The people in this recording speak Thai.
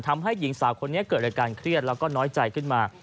ทำให้หญิงสาวคนนี้เกิดอาการเครียดแล้วก็น้อยใจขึ้นมา